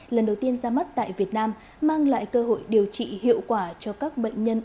lần đầu tiên ra mắt tại việt nam mang lại cơ hội điều trị hiệu quả cho các bệnh nhân